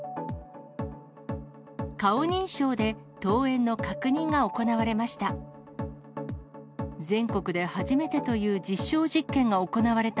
顔認証で、登園の確認が行われました。